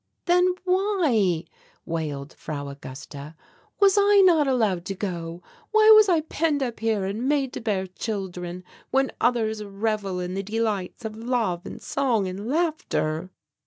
"Then why," wailed Frau Augusta, "was I not allowed to go? Why was I penned up here and made to bear children when others revel in the delights of love and song and laughter?"